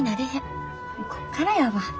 こっからやわ。